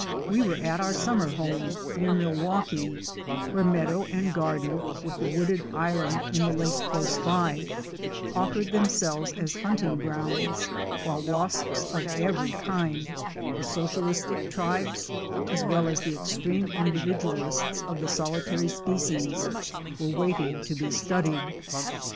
We were at our summer home near Milwaukee, where meadow and garden, with the wooded island in the lake close by, offered themselves as hunting grounds, while wasps of every kind, the social istic tribes as well as the extreme individualists of the solitary species, were waiting to be studied.